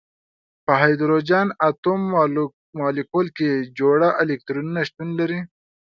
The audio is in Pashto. په هایدروجن اتوم مالیکول کې جوړه الکترونونه شتون لري.